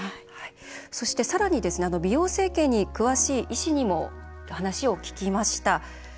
さらに美容整形に詳しい医師にも話を聞きました。